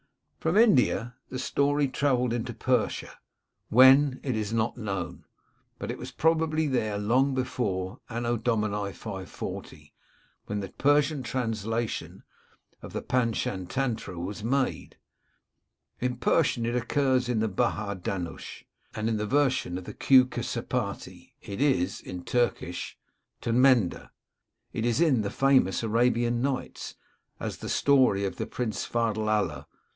From India the story travelled into Persia — when, is not known ; but it was probably there long before A.D. 540 when the Persian translation of the Pantschatantra was made. In Persian it occurs in the Bahar Danush^ and in the version of the Qukasaptati, It is] in the Turkish T^ttndmeh. It is in the famous Arabian Nights^ as the story of the Prince Fadl Allah.